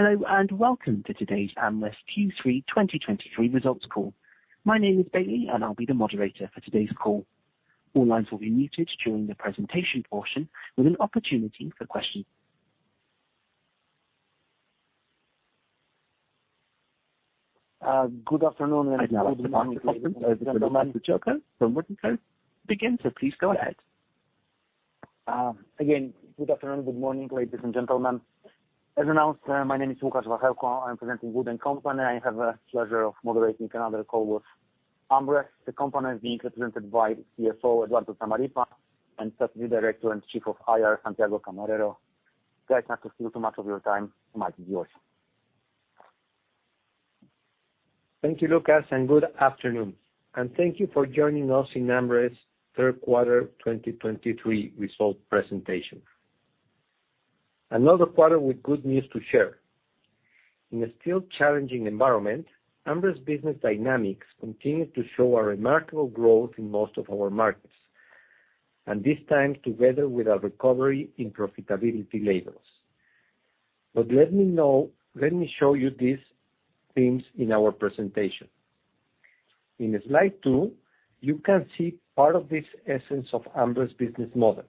Hello, and welcome to today's AmRest Q3 2023 results call. My name is Bailey, and I'll be the moderator for today's call. All lines will be muted during the presentation portion, with an opportunity for questions. Good afternoon.... Now, the market conference can begin, so please go ahead. Again, good afternoon, good morning, ladies and gentlemen. As announced, my name is Lukasz Wachelko. I'm presenting Wood & Company, and I have the pleasure of moderating another call with AmRest. The company is being represented by CFO, Eduardo Zamarripa, and Deputy Director and Chief of IR, Santiago Camarero. Guys, not to steal too much of your time, the mic is yours. Thank you, Lukasz, and good afternoon, and thank you for joining us in AmRest's third quarter 2023 results presentation. Another quarter with good news to share. In a still challenging environment, AmRest's business dynamics continued to show a remarkable growth in most of our markets, and this time together with a recovery in profitability levels. Let me show you these things in our presentation. In slide two, you can see part of this essence of AmRest's business model.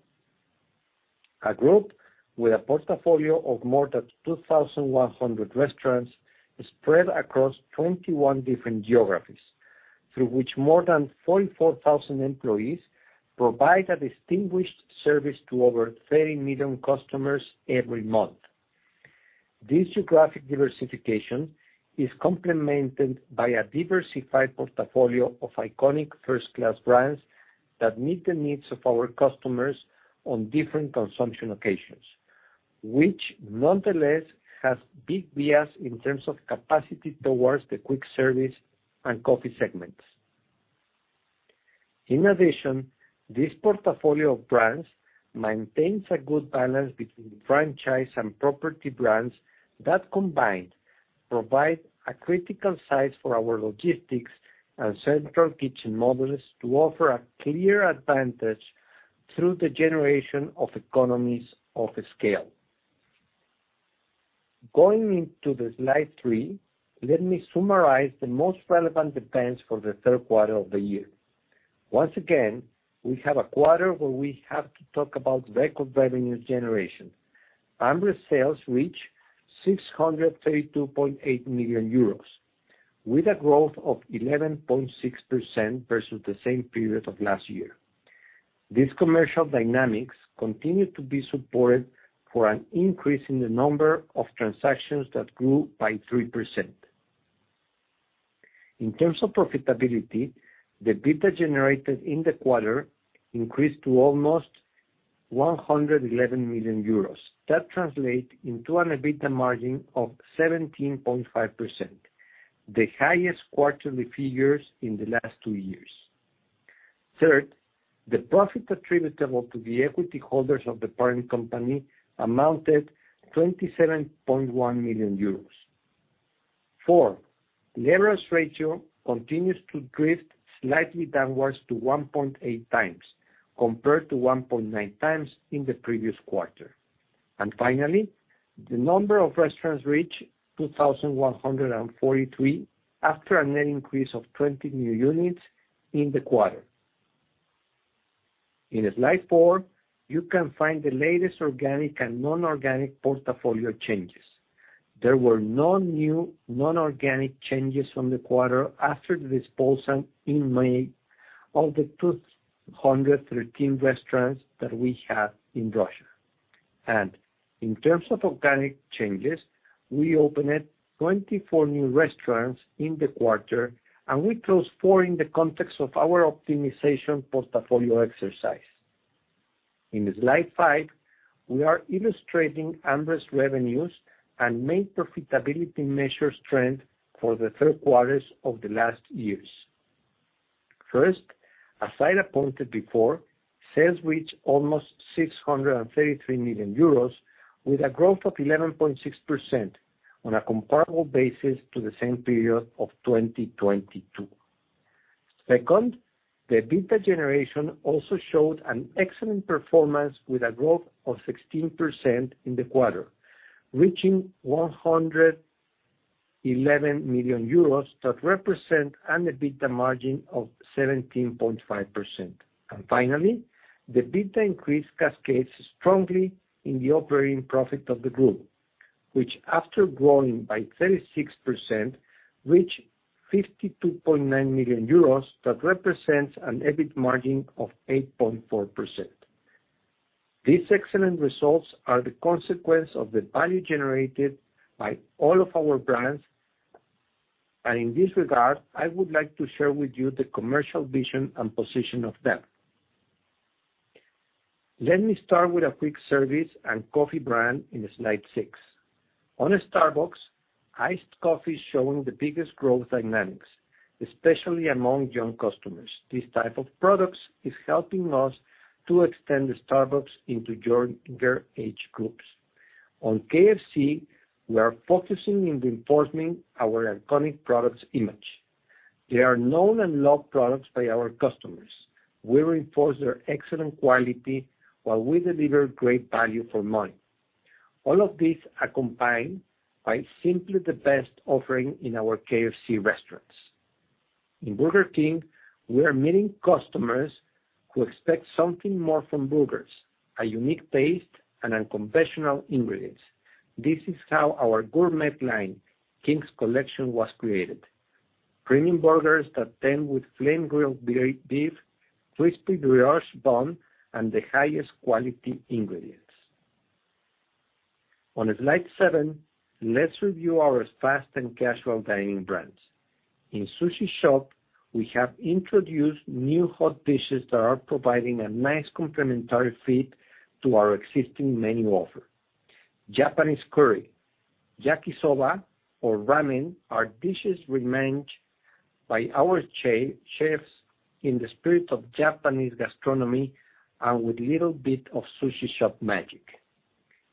A group with a portfolio of more than 2,100 restaurants spread across 21 different geographies, through which more than 44,000 employees provide a distinguished service to over 30 million customers every month. This geographic diversification is complemented by a diversified portfolio of iconic first-class brands that meet the needs of our customers on different consumption occasions, which nonetheless has big bias in terms of capacity towards the quick service and coffee segments. In addition, this portfolio of brands maintains a good balance between franchise and property brands that combined provide a critical size for our logistics and central kitchen models to offer a clear advantage through the generation of economies of scale. Going into the slide three, let me summarize the most relevant events for the third quarter of the year. Once again, we have a quarter where we have to talk about record revenue generation. AmRest sales reach 632.8 million euros, with a growth of 11.6% versus the same period of last year. These commercial dynamics continued to be supported by an increase in the number of transactions that grew by 3%. In terms of profitability, the EBITDA generated in the quarter increased to almost 111 million euros. That translates into an EBITDA margin of 17.5%, the highest quarterly figures in the last two years. Third, the profit attributable to the equity holders of the parent company amounted to 27.1 million euros. Four, the leverage ratio continues to drift slightly downwards to 1.8 times, compared to 1.9 times in the previous quarter. And finally, the number of restaurants reached 2,143 after a net increase of 20 new units in the quarter. In slide 4, you can find the latest organic and non-organic portfolio changes. There were no new non-organic changes from the quarter after the disposal in May of the 213 restaurants that we had in Russia. In terms of organic changes, we opened 24 new restaurants in the quarter, and we closed 4 in the context of our optimization portfolio exercise. In slide 5, we are illustrating AmRest's revenues and main profitability measures trend for the third quarters of the last years. First, as I mentioned before, sales reached almost 633 million euros, with a growth of 11.6% on a comparable basis to the same period of 2022. Second, the EBITDA generation also showed an excellent performance, with a growth of 16% in the quarter, reaching 111 million euros, that represent an EBITDA margin of 17.5%. Finally, the EBITDA increase cascades strongly in the operating profit of the group, which, after growing by 36%, reached 52.9 million euros, that represents an EBIT margin of 8.4%. These excellent results are the consequence of the value generated by all of our brands. In this regard, I would like to share with you the commercial vision and position of them. Let me start with a quick service and coffee brand in slide 6. On Starbucks, iced coffee is showing the biggest growth dynamics, especially among young customers. This type of products is helping us to extend the Starbucks into younger age groups. On KFC, we are focusing in reinforcing our iconic product's image. They are known and loved products by our customers. We reinforce their excellent quality, while we deliver great value for money. All of these are combined by simply the best offering in our KFC restaurants. In Burger King, we are meeting customers who expect something more from burgers, a unique taste, and unconventional ingredients. This is how our gourmet line, King's Collection, was created. Premium burgers that tend with flame-grilled beef, crispy brioche bun, and the highest quality ingredients. On slide seven, let's review our fast and casual dining brands. In Sushi Shop, we have introduced new hot dishes that are providing a nice complementary fit to our existing menu offer. Japanese curry, Yakisoba or Ramen, are dishes arranged by our chefs in the spirit of Japanese gastronomy and with little bit of Sushi Shop magic.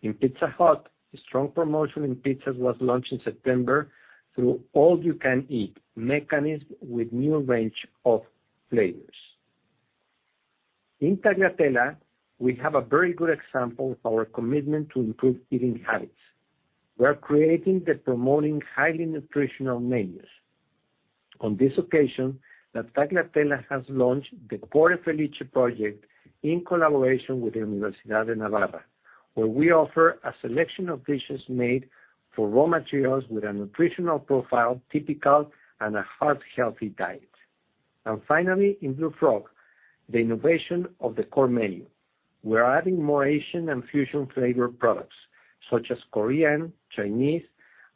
In Pizza Hut, a strong promotion in pizzas was launched in September through all-you-can-eat mechanism with new range of flavors. In La Tagliatella, we have a very good example of our commitment to improve eating habits. We are creating and promoting highly nutritional menus. On this occasion, La Tagliatella has launched the Cuore Felice project in collaboration with the Universidad de Navarra, where we offer a selection of dishes made for raw materials with a nutritional profile, typical and a heart-healthy diet. And finally, in Blue Frog, the innovation of the core menu. We are adding more Asian and fusion flavor products such as Korean, Chinese,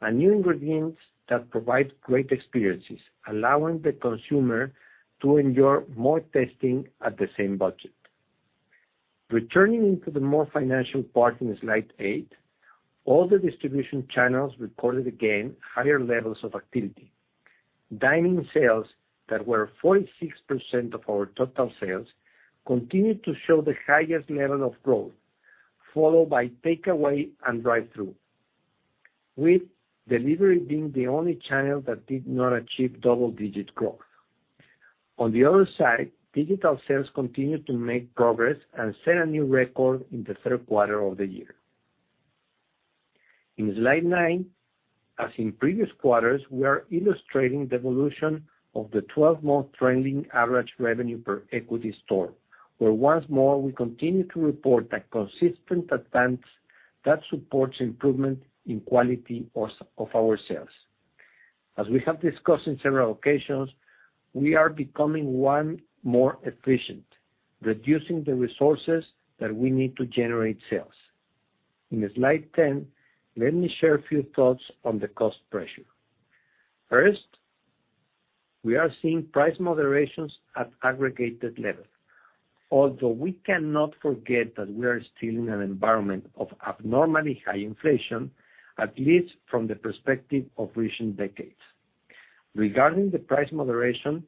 and new ingredients that provide great experiences, allowing the consumer to enjoy more tasting at the same budget. Returning into the more financial part in slide 8, all the distribution channels recorded again higher levels of activity. Dine-in sales that were 46% of our total sales, continued to show the highest level of growth, followed by takeaway and drive-thru, with delivery being the only channel that did not achieve double-digit growth. On the other side, digital sales continued to make progress and set a new record in the third quarter of the year. In slide 9, as in previous quarters, we are illustrating the evolution of the 12-month trending average revenue per equity store, where once more, we continue to report a consistent attempt that supports improvement in quality of our sales. As we have discussed in several occasions, we are becoming more efficient, reducing the resources that we need to generate sales. In slide 10, let me share a few thoughts on the cost pressure. First, we are seeing price moderations at aggregated level, although we cannot forget that we are still in an environment of abnormally high inflation, at least from the perspective of recent decades. Regarding the price moderation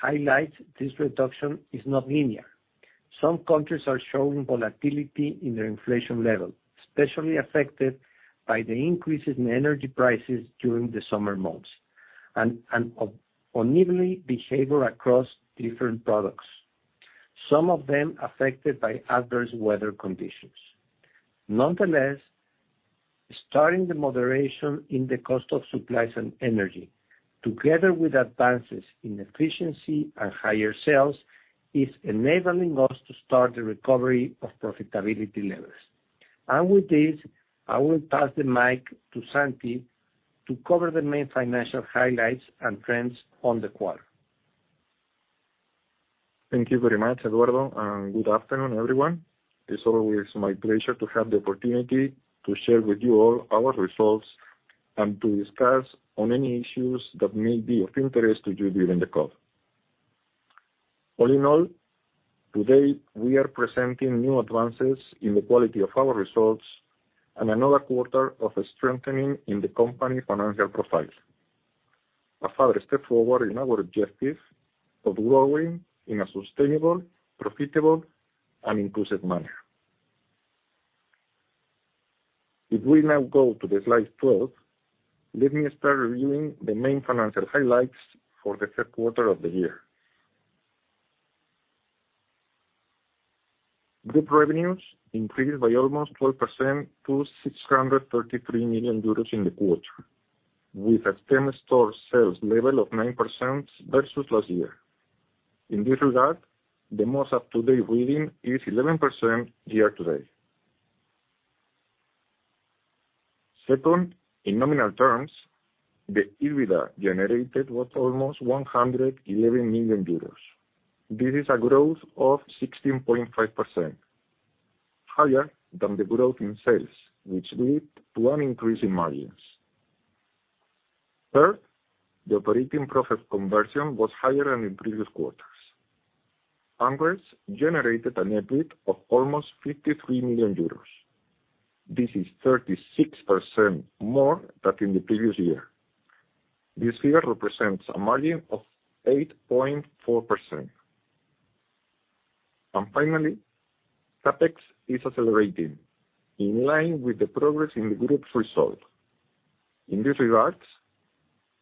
highlights, this reduction is not linear. Some countries are showing volatility in their inflation level, especially affected by the increases in energy prices during the summer months, and uneven behavior across different products, some of them affected by adverse weather conditions. Nonetheless, starting the moderation in the cost of supplies and energy, together with advances in efficiency and higher sales, is enabling us to start the recovery of profitability levels. And with this, I will pass the mic to Santi to cover the main financial highlights and trends on the quarter. Thank you very much, Eduardo, and good afternoon, everyone. It's always my pleasure to have the opportunity to share with you all our results, and to discuss on any issues that may be of interest to you during the call. All in all, today, we are presenting new advances in the quality of our results and another quarter of strengthening in the company financial profile. A further step forward in our objective of growing in a sustainable, profitable, and inclusive manner. If we now go to the slide 12, let me start reviewing the main financial highlights for the third quarter of the year. Group revenues increased by almost 12% to 633 million euros in the quarter, with a same-store sales level of 9% versus last year. In this regard, the most up-to-date reading is 11% year to date. Second, in nominal terms, the EBITDA generated was almost 111 million euros. This is a growth of 16.5%, higher than the growth in sales, which led to an increase in margins. Third, the operating profit conversion was higher than in previous quarters. AmRest generated an EBIT of almost 53 million euros. This is 36% more than in the previous year. This figure represents a margin of 8.4%.... And finally, CapEx is accelerating in line with the progress in the group's result. In this regard,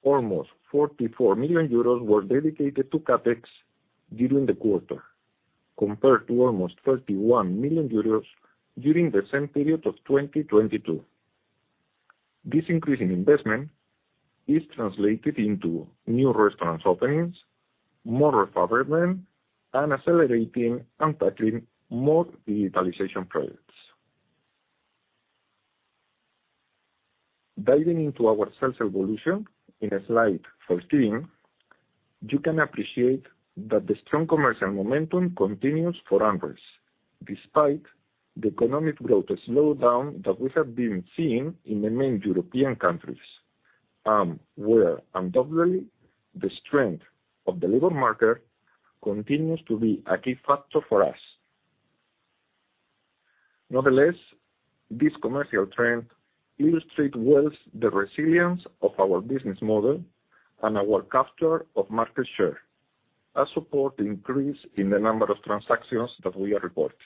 almost 44 million euros were dedicated to CapEx during the quarter, compared to almost 31 million euros during the same period of 2022. This increase in investment is translated into new restaurants openings, more refurbishment, and accelerating and tackling more digitalization projects. Diving into our sales evolution, in slide 14, you can appreciate that the strong commercial momentum continues for AmRest, despite the economic growth slowdown that we have been seeing in the main European countries, where undoubtedly, the strength of the delivery market continues to be a key factor for us. Nonetheless, this commercial trend illustrate well the resilience of our business model and our capture of market share, as support increase in the number of transactions that we are reporting.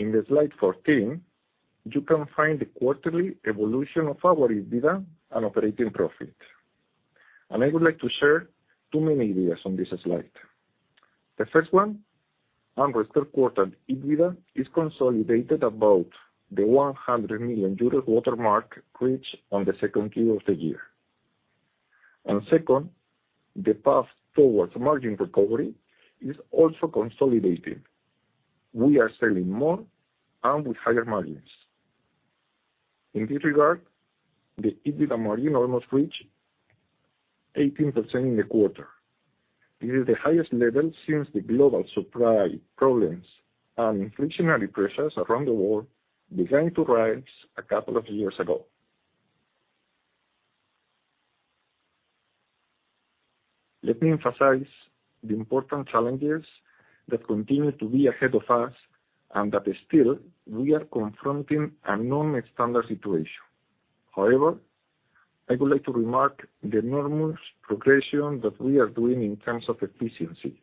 In the slide 14, you can find the quarterly evolution of our EBITDA and operating profit. And I would like to share two main ideas on this slide. The first one, AmRest third quarter EBITDA is consolidated about the 100 million euro watermark reached on the second quarter of the year. And second, the path towards margin recovery is also consolidated. We are selling more and with higher margins. In this regard, the EBITDA margin almost reached 18% in the quarter. This is the highest level since the global supply problems and inflationary pressures around the world began to rise a couple of years ago. Let me emphasize the important challenges that continue to be ahead of us, and that still we are confronting a non-standard situation. However, I would like to remark the enormous progression that we are doing in terms of efficiency,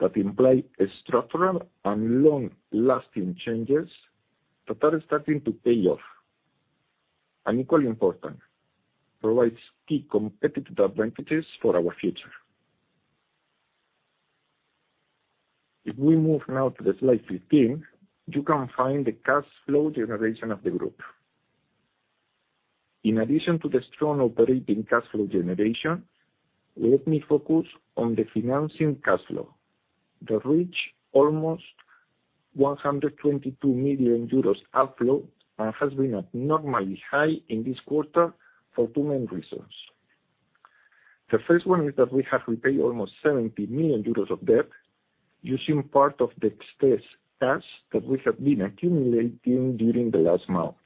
that imply a structural and long-lasting changes that are starting to pay off. And equally important, provides key competitive advantages for our future. If we move now to the slide 15, you can find the cash flow generation of the group. In addition to the strong operating cash flow generation, let me focus on the financing cash flow that reach almost 122 million euros outflow, and has been abnormally high in this quarter for two main reasons. The first one is that we have repaid almost 70 million euros of debt using part of the excess cash that we have been accumulating during the last months.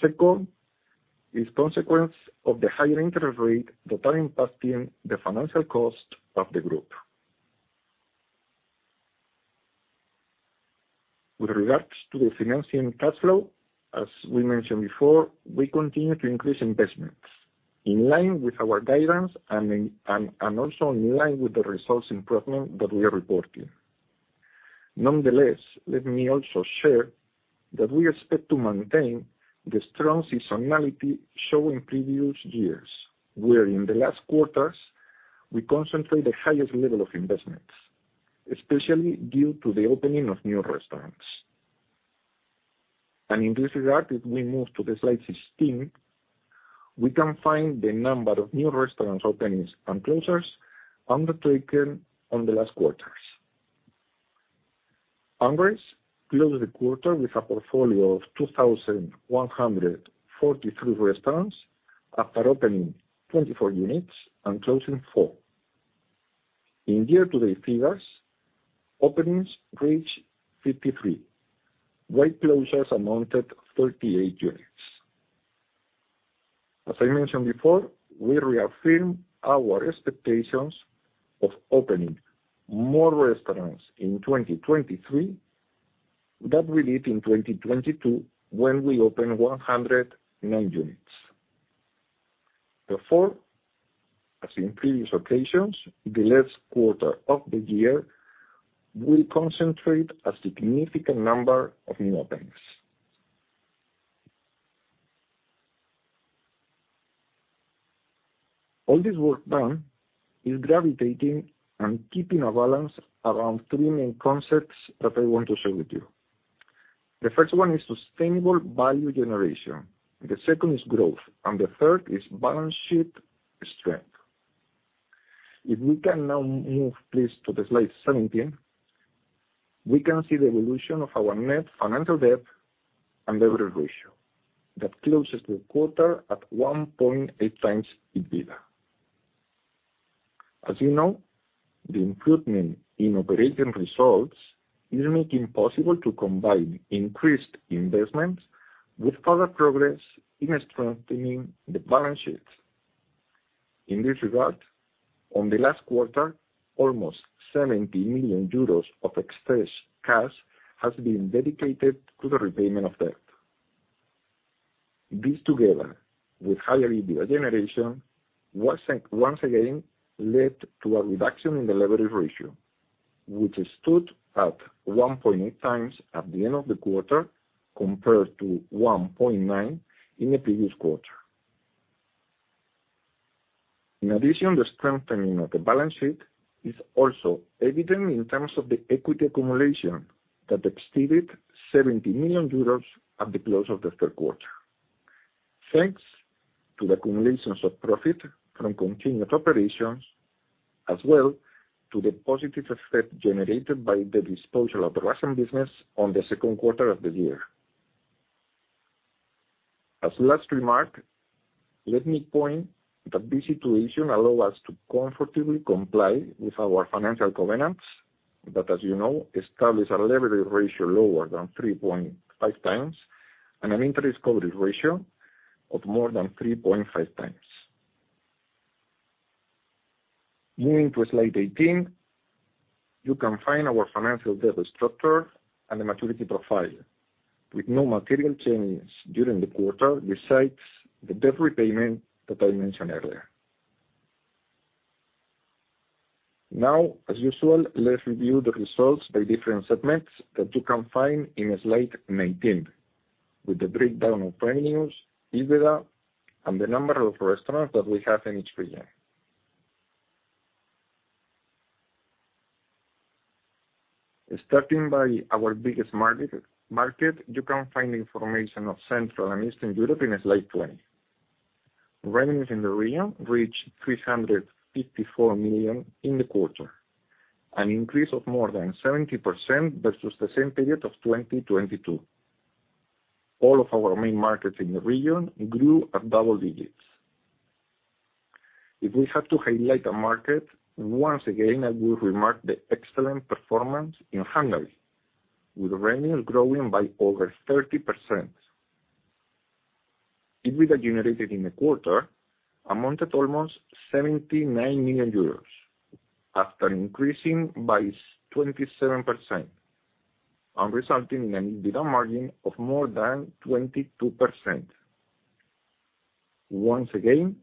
Second, is consequence of the higher interest rate that are impacting the financial cost of the group. With regards to the financing cash flow, as we mentioned before, we continue to increase investments in line with our guidance and also in line with the results improvement that we are reporting. Nonetheless, let me also share that we expect to maintain the strong seasonality shown in previous years, where in the last quarters, we concentrate the highest level of investments, especially due to the opening of new restaurants. In this regard, if we move to the slide 16, we can find the number of new restaurant openings and closures undertaken on the last quarters. AmRest closed the quarter with a portfolio of 2,143 restaurants after opening 24 units and closing 4. In year-to-date figures, openings reached 53, while closures amounted 38 units. As I mentioned before, we reaffirm our expectations of opening more restaurants in 2023 than we did in 2022, when we opened 109 units. Therefore, as in previous occasions, the last quarter of the year will concentrate a significant number of new openings. All this work done is gravitating and keeping a balance around three main concepts that I want to share with you. The first one is sustainable value generation, the second is growth, and the third is balance sheet strength. If we can now move, please, to slide 17, we can see the evolution of our net financial debt and leverage ratio, that closes the quarter at 1.8 times EBITDA. As you know, the improvement in operating results is making it possible to combine increased investments with further progress in strengthening the balance sheet. In this regard, in the last quarter, almost 70 million euros of excess cash has been dedicated to the repayment of debt.... This together with higher EBITDA generation, was once again led to a reduction in the leverage ratio, which stood at 1.8 times at the end of the quarter, compared to 1.9 in the previous quarter. In addition, the strengthening of the balance sheet is also evident in terms of the equity accumulation that exceeded 70 million euros at the close of the third quarter. Thanks to the accumulations of profit from continued operations, as well to the positive effect generated by the disposal of the Russian business on the second quarter of the year. As last remark, let me point that this situation allow us to comfortably comply with our financial covenants, that, as you know, establish a leverage ratio lower than 3.5 times and an interest coverage ratio of more than 3.5 times. Moving to slide 18, you can find our financial debt structure and the maturity profile, with no material changes during the quarter, besides the debt repayment that I mentioned earlier. Now, as usual, let's review the results by different segments that you can find in slide 19, with the breakdown of revenues, EBITDA, and the number of restaurants that we have in each region. Starting by our biggest market, you can find information of Central and Eastern Europe in slide 20. Revenues in the region reached 354 million in the quarter, an increase of more than 70% versus the same period of 2022. All of our main markets in the region grew at double digits. If we had to highlight a market, once again, I will remark the excellent performance in Hungary, with revenues growing by over 30%. EBITDA generated in the quarter amounted almost 79 million euros, after increasing by 27%, and resulting in an EBITDA margin of more than 22%. Once again,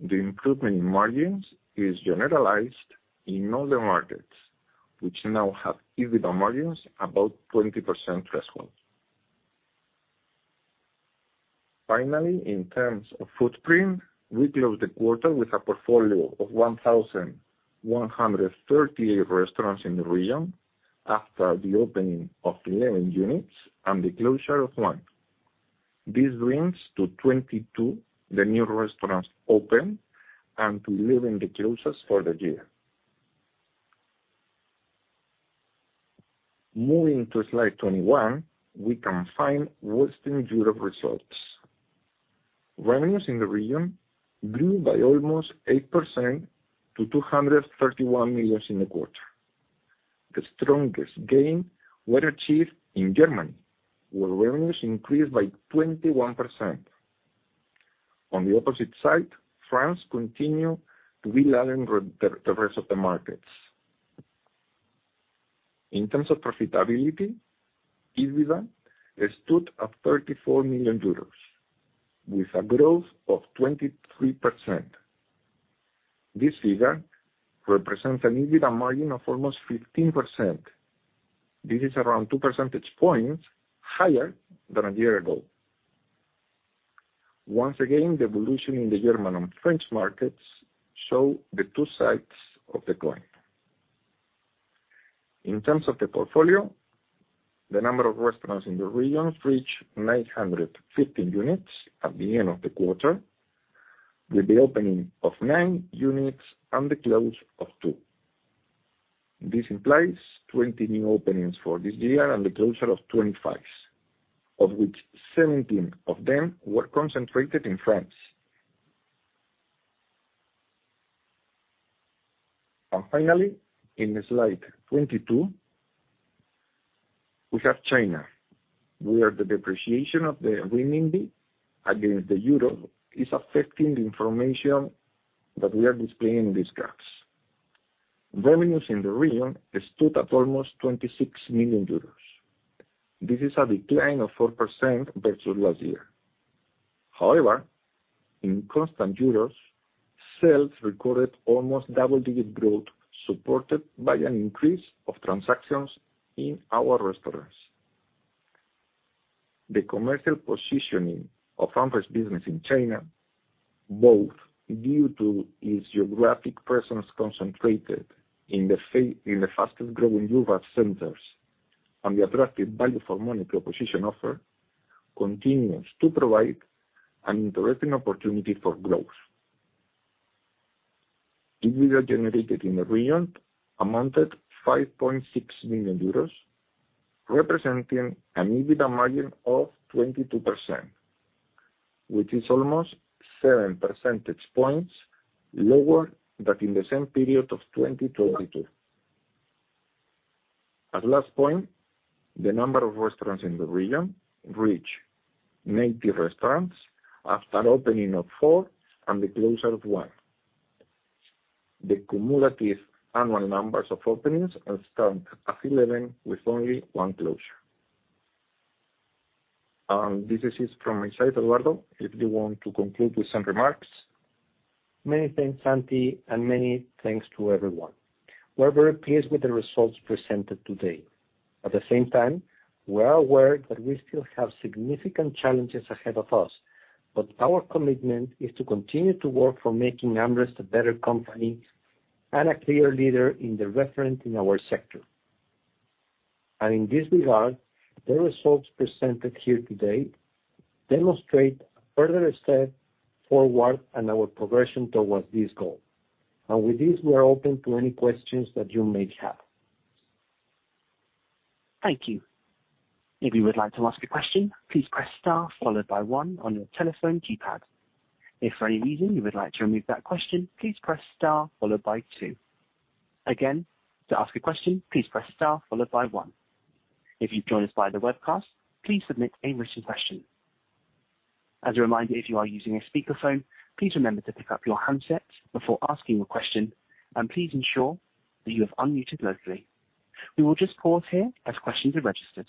the improvement in margins is generalized in all the markets, which now have EBITDA margins above 20% threshold. Finally, in terms of footprint, we closed the quarter with a portfolio of 1,138 restaurants in the region after the opening of 11 units and the closure of 1. This brings to 22 the new restaurants open and to 11 the closures for the year. Moving to slide 21, we can find Western Europe results. Revenues in the region grew by almost 8% to 231 million in the quarter. The strongest gain were achieved in Germany, where revenues increased by 21%. On the opposite side, France continues to be lagging the rest of the markets. In terms of profitability, EBITDA stood at 34 million euros, with a growth of 23%. This figure represents an EBITDA margin of almost 15%. This is around 2 percentage points higher than a year ago. Once again, the evolution in the German and French markets shows the two sides of the coin. In terms of the portfolio, the number of restaurants in the region reached 915 units at the end of the quarter, with the opening of 9 units and the close of 2. This implies 20 new openings for this year and the closure of 25, of which 17 of them were concentrated in France. Finally, in slide 22, we have China, where the depreciation of the renminbi against the euro is affecting the information that we are displaying in these graphs. Revenues in the region stood at almost 26 million euros. This is a decline of 4% versus last year. However, in constant euros, sales recorded almost double-digit growth, supported by an increase of transactions in our restaurants. The commercial positioning of Amrest's business in China, both due to its geographic presence concentrated in the fastest-growing urban centers and the attractive value for money proposition offer, continues to provide an interesting opportunity for growth. EBITDA generated in the region amounted 5.6 million euros, representing an EBITDA margin of 22%, which is almost seven percentage points lower than in the same period of 2022. As last point, the number of restaurants in the region reached 90 restaurants after opening of 4 and the closure of 1. The cumulative annual numbers of openings are stand at 11, with only 1 closure. This is from inside, Eduardo, if you want to conclude with some remarks. Many thanks, Santi, and many thanks to everyone. We're very pleased with the results presented today. At the same time, we are aware that we still have significant challenges ahead of us, but our commitment is to continue to work for making AmRest a better company and a clear leader and the referent in our sector. In this regard, the results presented here today demonstrate a further step forward in our progression towards this goal. With this, we are open to any questions that you may have. Thank you. If you would like to ask a question, please press star followed by one on your telephone keypad. If for any reason you would like to remove that question, please press star followed by two. Again, to ask a question, please press star followed by one. If you've joined us via the webcast, please submit a written question. As a reminder, if you are using a speakerphone, please remember to pick up your handset before asking a question, and please ensure that you have unmuted locally. We will just pause here as questions are registered.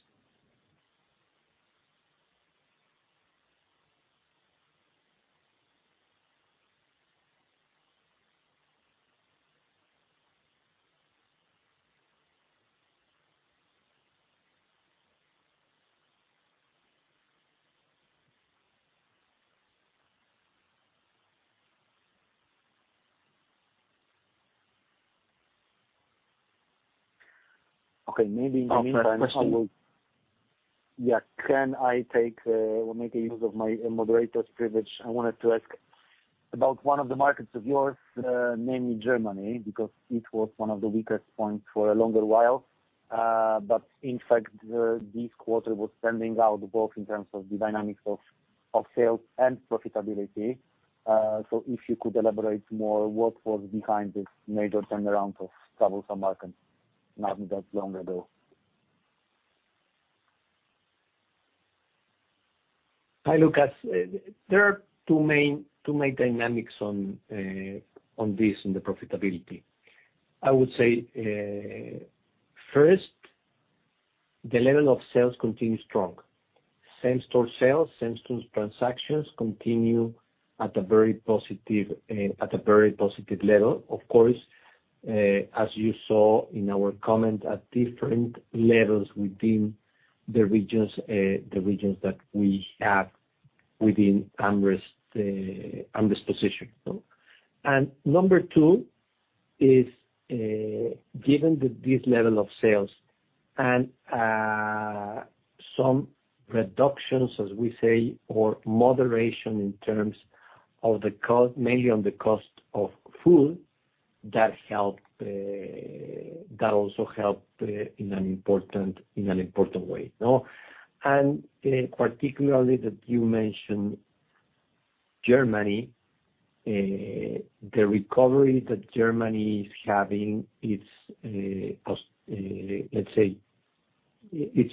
Okay, maybe in the meantime, I will- First question. Yeah, can I take, or make use of my moderator's privilege? I wanted to ask about one of the markets of yours, namely Germany, because it was one of the weakest points for a longer while. But in fact, this quarter was standing out both in terms of the dynamics of sales and profitability. So if you could elaborate more, what was behind this major turnaround of troublesome market, not that long ago? Hi, Lukasz. There are two main, two main dynamics on this and the profitability. I would say, first, the level of sales continues strong. Same-store sales, same-store transactions continue at a very positive, at a very positive level. Of course, as you saw in our comment, at different levels within the regions, the regions that we have within AmRest, AmRest position. And number two is, given that this level of sales and some reductions, as we say, or moderation in terms of the cost, mainly on the cost of food, that helped, that also helped, in an important, in an important way. No? Particularly that you mentioned Germany, the recovery that Germany is having is quite, let's say,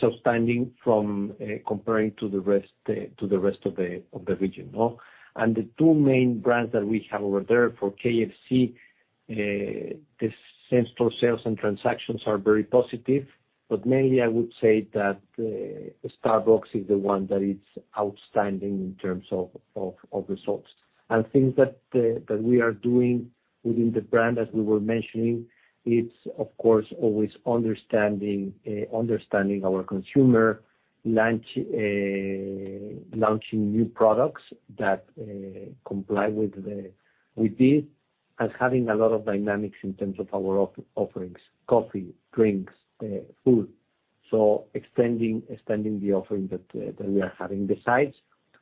outstanding from comparing to the rest, to the rest of the region, no? And the two main brands that we have over there for KFC, the same-store sales and transactions are very positive, but mainly I would say that Starbucks is the one that is outstanding in terms of results. And things that we are doing within the brand, as we were mentioning, it's, of course, always understanding our consumer, launching new products that comply with this, and having a lot of dynamics in terms of our off- offerings, coffee, drinks, food. So extending the offering that we are having. Besides,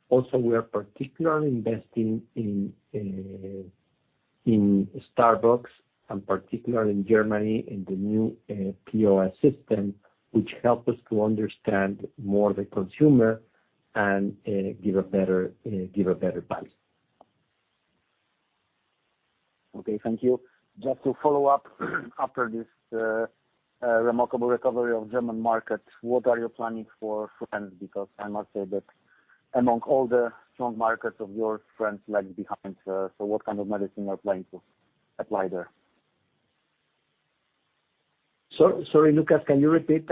also, we are particularly investing in, in Starbucks and particularly in Germany, in the new, POS system, which help us to understand more the consumer and, give a better, give a better price. Okay, thank you. Just to follow up, after this remarkable recovery of German market, what are you planning for France? Because I must say that among all the strong markets of yours, France lag behind. So what kind of medicine are you planning to apply there? Sorry, Lukasz, can you repeat?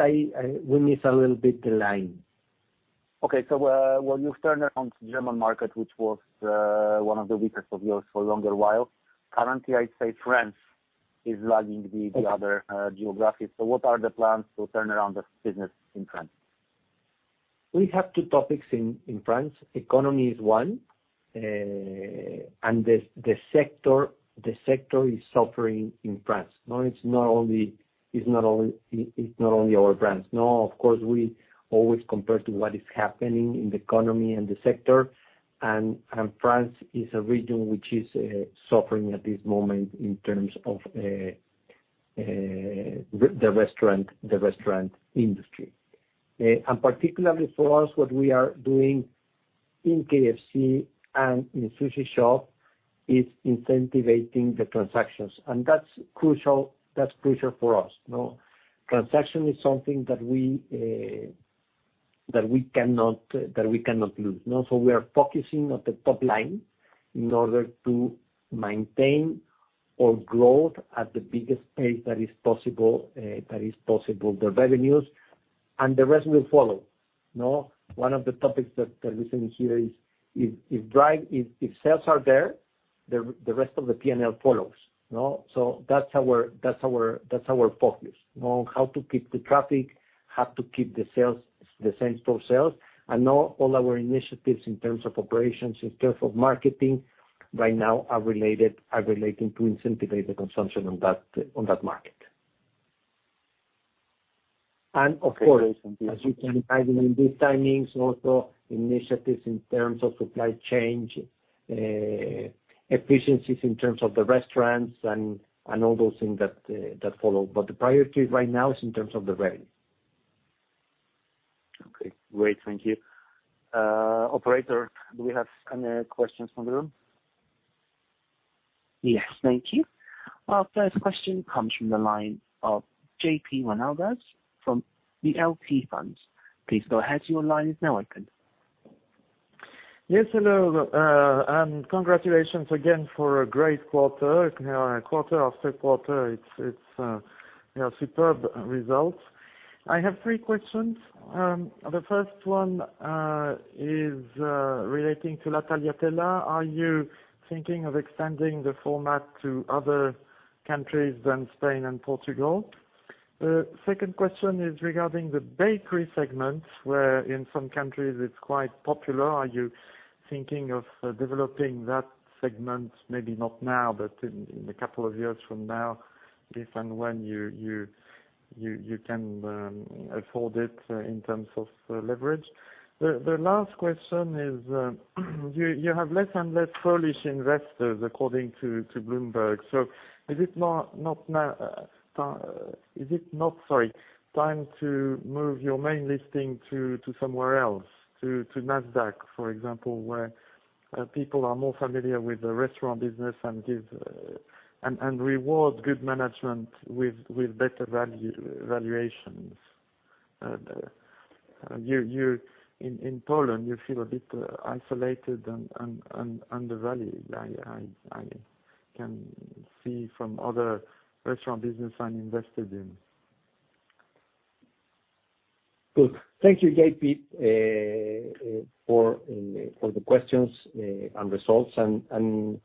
We miss a little bit the line. Okay, so, well, you've turned around the German market, which was one of the weakest of yours for a longer while. Currently, I'd say France is lagging the other geographies. So what are the plans to turn around the business in France? We have two topics in France. Economy is one, and the sector is suffering in France. No, it's not only our brands. No, of course, we always compare to what is happening in the economy and the sector, and France is a region which is suffering at this moment in terms of the restaurant industry. And particularly for us, what we are doing in KFC and in Sushi Shop is incentivizing the transactions, and that's crucial for us, no? Transaction is something that we cannot lose, no? So we are focusing on the top line in order to maintain our growth at the biggest pace that is possible, the revenues, and the rest will follow, no? One of the topics that we're listening here is, if drive-thru sales are there, the rest of the P&L follows, no? So that's our focus, on how to keep the traffic, how to keep the sales, the same-store sales. And now all our initiatives in terms of operations, in terms of marketing, right now are related to incentivize the consumption on that market. And of course, as you can imagine, in these times, also initiatives in terms of supply chain efficiencies in terms of the restaurants and all those things that follow. But the priority right now is in terms of the revenue. Okay, great. Thank you. Operator, do we have any questions from the room? Yes. Thank you. Our first question comes from the line of J.P Monaldas from the LP Funds. Please go ahead. Your line is now open. Yes, hello, and congratulations again for a great quarter. Quarter after quarter, it's, you know, superb results. I have three questions. The first one is relating to La Tagliatella. Are you thinking of extending the format to other countries than Spain and Portugal? The second question is regarding the bakery segment, where in some countries it's quite popular. Are you thinking of developing that segment, maybe not now, but in a couple of years from now, if and when you can afford it in terms of leverage? The last question is, you have less and less Polish investors, according to Bloomberg. So is it not now start... Is it not, sorry, time to move your main listing to somewhere else, to NASDAQ, for example, where people are more familiar with the restaurant business and give and reward good management with better value, valuations. You in Poland, you feel a bit isolated and undervalued. I can see from other restaurant business I'm invested in. Good. Thank you, JP, for the questions and results. And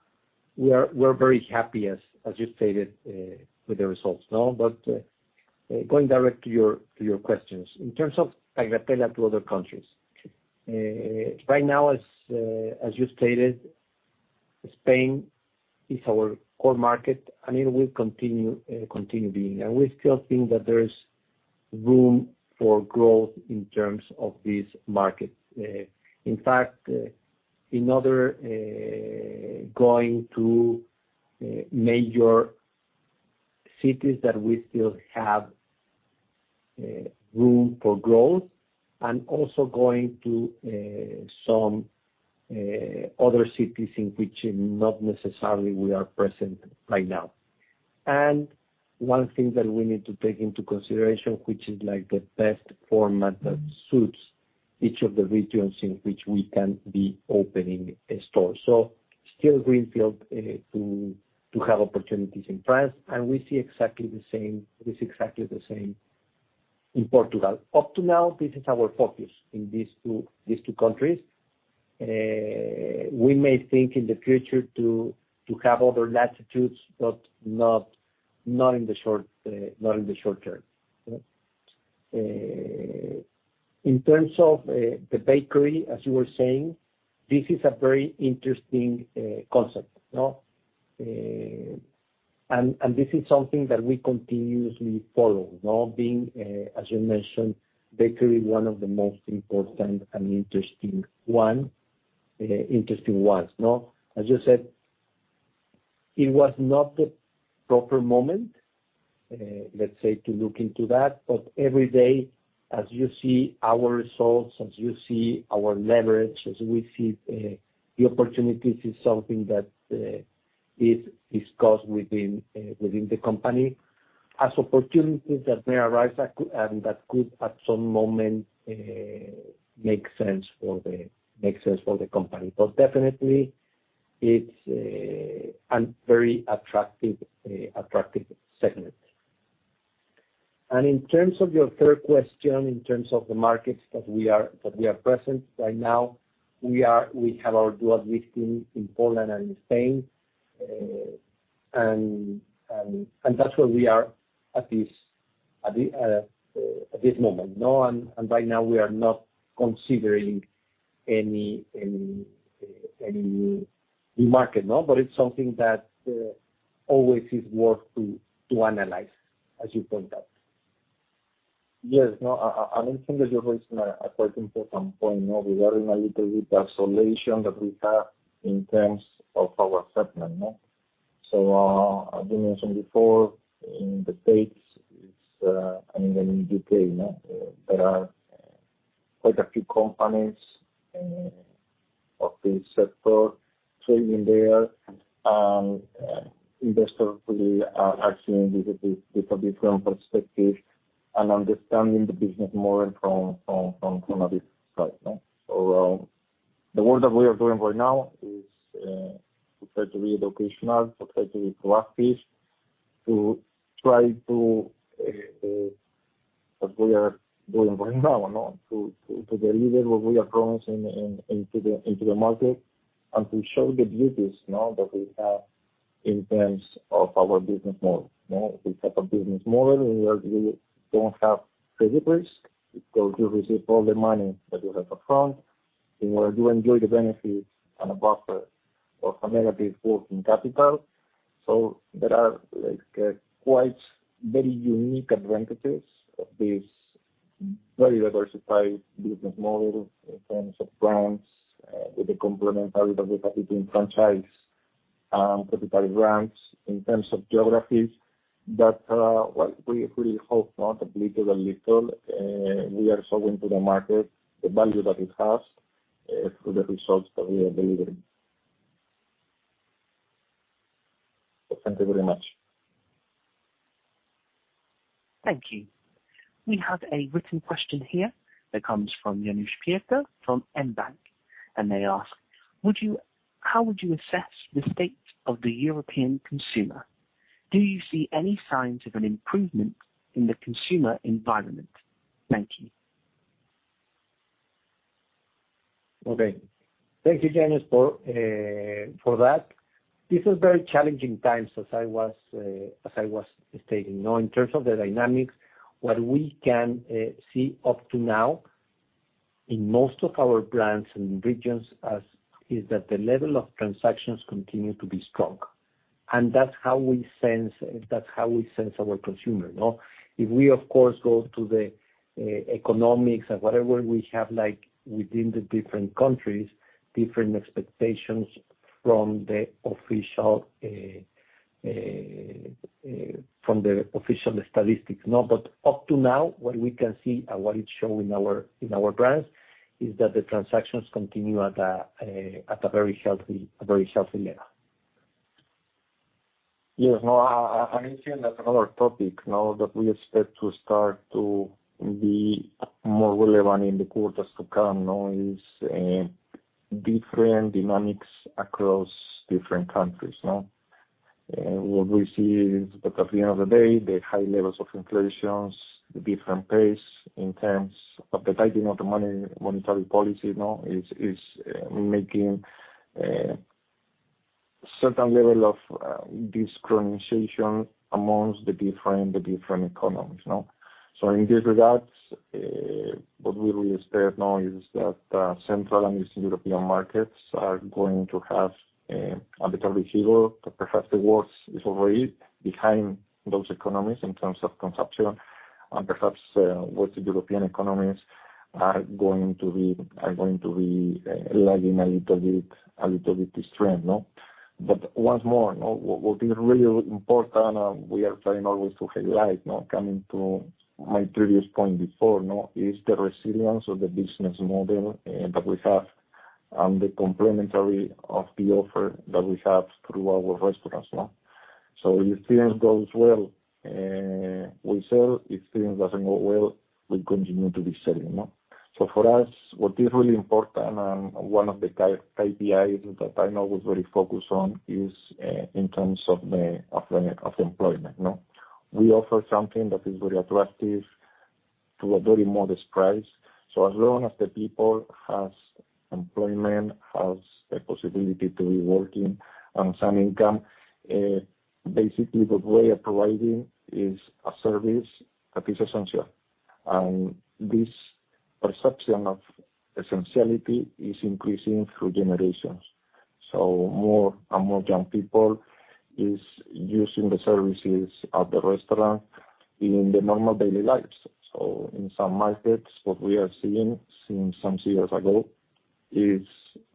we are, we're very happy, as you stated, with the results, no? But going direct to your questions. In terms of Tagliatella to other countries, right now, as you stated, Spain is our core market, and it will continue being. And we still think that there is room for growth in terms of this market. In fact, going to major cities that we still have room for growth and also going to some other cities in which not necessarily we are present right now. And one thing that we need to take into consideration, which is, like, the best format that suits each of the regions in which we can be opening a store. So still greenfield to have opportunities in France, and we see exactly the same in Portugal. Up to now, this is our focus in these two countries. We may think in the future to have other latitudes, but not in the short term. In terms of the bakery, as you were saying, this is a very interesting concept, no? And this is something that we continuously follow, no, being, as you mentioned, bakery, one of the most important and interesting ones, no? As you said, it was not the proper moment, let's say, to look into that. But every day, as you see our results, as you see our leverage, as we see the opportunities, is something that is discussed within the company as opportunities that may arise at co- and that could, at some moment, make sense for the company. But definitely, it's a very attractive segment. And in terms of your third question, in terms of the markets that we are present right now, we have our dual listing in Poland and in Spain, and that's where we are at this moment, no? And right now we are not considering any new market, no, but it's something that always is worth to analyze, as you point out. Yes, no, I think that you're raising a quite important point, no, regarding a little bit the isolation that we have in terms of our segment, no? So, as you mentioned before, in the States, it's and in the UK, no, there are quite a few companies.... of the sector trading there, and investors will actually visit this with a different perspective and understanding the business more from this side, no? So, the work that we are doing right now is to try to be educational, to try to be proactive, to deliver what we are promising into the market, and to show the beauties, you know, that we have in terms of our business model, no? We have a business model where we don't have credit risk, because you receive all the money that you have up front, and where you enjoy the benefits and a buffer of a negative working capital. So there are, like, quite very unique advantages of this very diversified business model in terms of brands, with the complementarity between franchise, proprietary brands in terms of geographies, that, what we, we hope not little by little, we are showing to the market the value that it has, through the results that we are delivering. Thank you very much. Thank you. We have a written question here that comes from Janusz Pięta from mBank, and they ask: Would you-- how would you assess the state of the European consumer? Do you see any signs of an improvement in the consumer environment? Thank you. Okay. Thank you, Janusz, for that. This is very challenging times, as I was stating. Now, in terms of the dynamics, what we can see up to now in most of our brands and regions is that the level of transactions continue to be strong. And that's how we sense, that's how we sense our consumer, no? If we, of course, go to the economics and whatever we have, like, within the different countries, different expectations from the official statistics, no. But up to now, what we can see and what it's showing in our brands is that the transactions continue at a very healthy level. Yes, no, I mentioned that another topic, no, that we expect to start to be more relevant in the quarters to come, no, is different dynamics across different countries, no? What we see is that at the end of the day, the high levels of inflation, the different pace in terms of the tightening of the monetary policy, no, is making a certain level of desynchronization among the different economies, no? So in this regard, what we really expect now is that Central and Eastern European markets are going to have a little bit harder, but perhaps the worst is already behind those economies in terms of consumption, and perhaps Western European economies are going to be lagging a little bit, a little bit strength, no? But once more, no, what, what is really important, and we are trying always to highlight, no, coming to my previous point before, no, is the resilience of the business model, that we have and the complementary of the offer that we have through our restaurants, no? So if things goes well, we sell. If things doesn't go well, we continue to be selling, no? So for us, what is really important, and one of the key KPIs that I know we're very focused on, is, in terms of the employment, no? We offer something that is very attractive to a very modest price. So as long as the people has employment, has a possibility to be working and some income, basically, the way of providing is a service that is essential. And this perception of essentiality is increasing through generations. So more and more young people is using the services at the restaurant in the normal daily lives. So in some markets, what we are seeing since some 2 years ago, is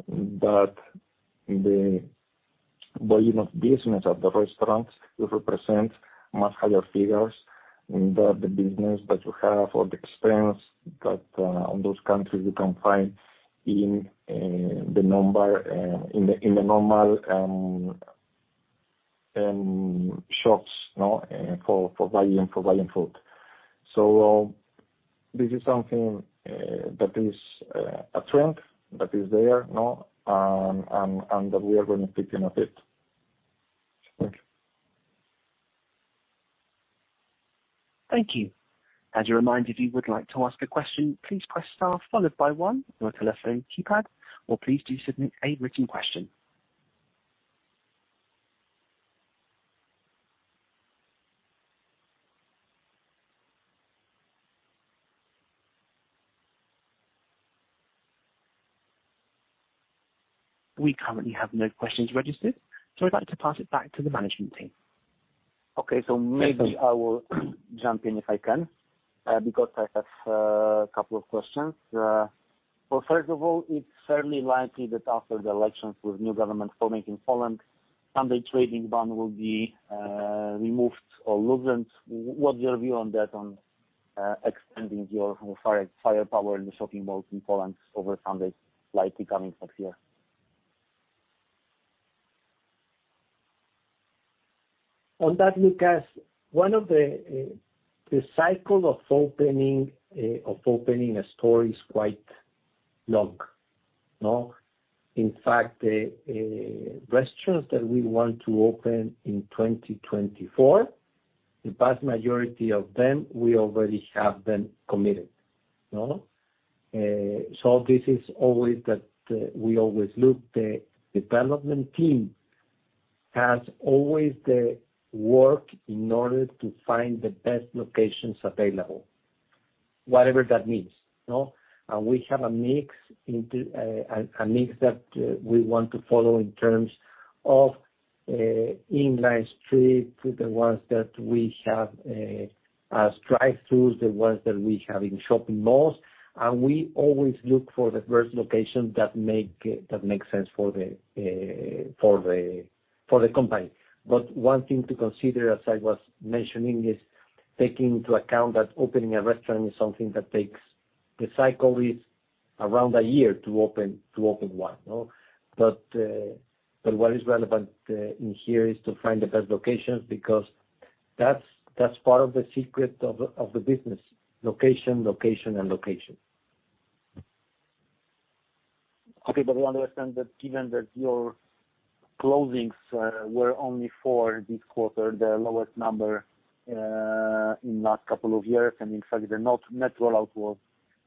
that the volume of business at the restaurant will represent much higher figures than the business that you have or the experience that on those countries you can find in the number in the normal shops for buying food. So this is something that is a trend that is there and that we are going to taking advantage. Thank you. Thank you. As a reminder, if you would like to ask a question, please press star followed by one on your telephone keypad, or please do submit a written question. We currently have no questions registered, so I'd like to pass it back to the management team. Okay, so maybe I will jump in if I can, because I have a couple of questions. So first of all, it's fairly likely that after the elections with new government forming in Poland, Sunday trading ban will be removed or loosened. What's your view on that, on extending your, sorry, firepower in the shopping malls in Poland over Sunday, likely coming next year? On that, Lukasz, one of the, the cycle of opening, of opening a store is quite long, no? In fact, the, restaurants that we want to open in 2024, the vast majority of them, we already have them committed, no? So this is always that, we always look, the development team has always the work in order to find the best locations available, whatever that means, no? And we have a mix into, a, a mix that, we want to follow in terms of, inline street to the ones that we have, as drive-throughs, the ones that we have in shopping malls, and we always look for diverse location that make, that make sense for the, for the, for the company. But one thing to consider, as I was mentioning, is taking into account that opening a restaurant is something that takes... the cycle is around a year to open, to open one, no? But, but what is relevant, in here is to find the best locations, because that's, that's part of the secret of, of the business: location, location, and location. Okay. But we understand that given that your closings were only for this quarter, the lowest number in last couple of years, and in fact, the net, net rollout was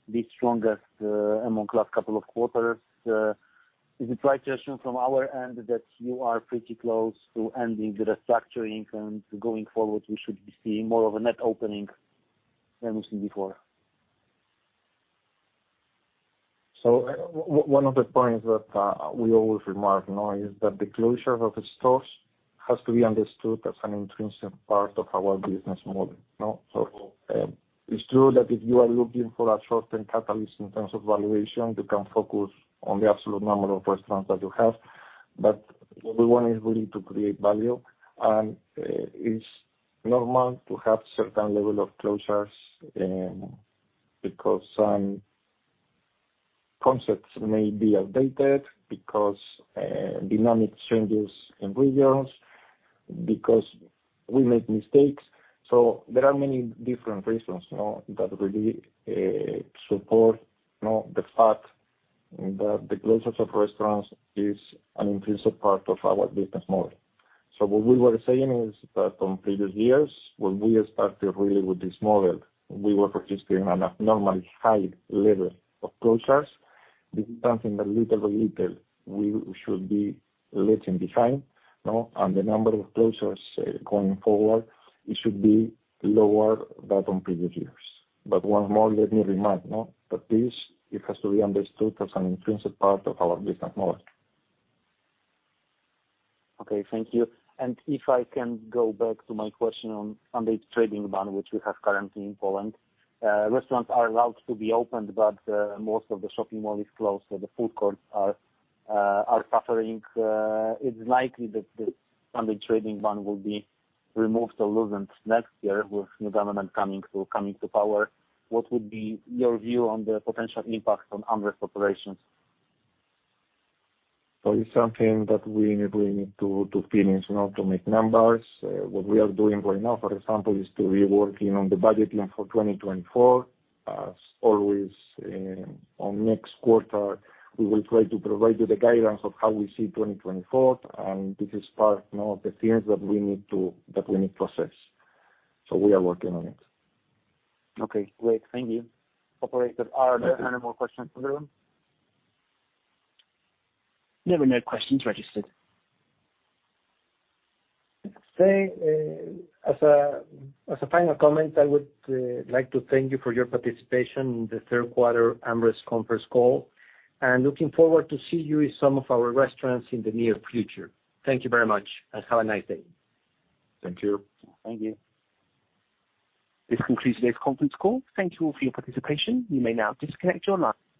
the strongest among last couple of quarters, is it right to assume from our end that you are pretty close to ending the restructuring, and going forward, we should be seeing more of a net opening than we've seen before? So one of the points that we always remark, you know, is that the closure of the stores has to be understood as an intrinsic part of our business model, no? So it's true that if you are looking for a short-term catalyst in terms of valuation, you can focus on the absolute number of restaurants that you have. But what we want is really to create value, and it's normal to have certain level of closures because some concepts may be outdated, because dynamic changes in regions, because we make mistakes. So there are many different reasons, you know, that really support, you know, the fact that the closures of restaurants is an intrinsic part of our business model. So what we were saying is that on previous years, when we started really with this model, we were participating in an abnormally high level of closures. This is something that little by little, we should be leaving behind, no? And the number of closures, going forward, it should be lower than on previous years. But once more, let me remind, no, that this, it has to be understood as an intrinsic part of our business model. Okay, thank you. And if I can go back to my question on the trading ban, which we have currently in Poland, restaurants are allowed to be opened, but most of the shopping mall is closed, so the food courts are suffering. It's likely that the Sunday trading ban will be removed or loosened next year with new government coming to power. What would be your view on the potential impact on AmRest operations? So it's something that we really need to, to finish, you know, to make numbers. What we are doing right now, for example, is to be working on the budgeting for 2024. As always, on next quarter, we will try to provide you the guidance of how we see 2024, and this is part, you know, of the things that we need to, that we need to process. So we are working on it. Okay, great. Thank you. Operator, are there any more questions in the room? There are no questions registered. As a final comment, I would like to thank you for your participation in the third quarter AmRest conference call, and looking forward to see you in some of our restaurants in the near future. Thank you very much, and have a nice day. Thank you. Thank you. This concludes today's conference call. Thank you all for your participation. You may now disconnect your line.